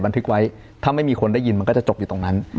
ทึกไว้ถ้าไม่มีคนได้ยินมันก็จะจบอยู่ตรงนั้น